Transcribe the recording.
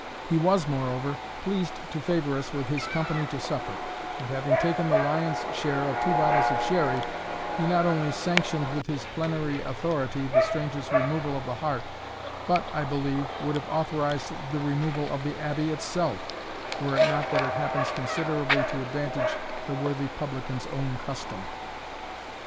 He was, moreover, pleased to favour us with his company to supper; and having taken the lion's share of two bottles of sherry, he not only sanctioned with his plenary authority the stranger's removal of the heart, but, I believe, would have authorized the removal of the Abbey itself, were it not that it happens considerably to advantage the worthy publican's own custom.